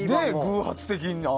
偶発的な。